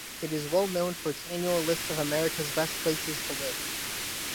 It is well known for its annual list of America's Best Places to Live.